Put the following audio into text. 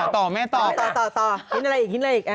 กินอะไรอีก